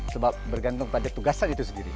sebab bergantung pada tugasan itu sendiri